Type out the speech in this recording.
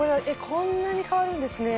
こんなに変わるんですね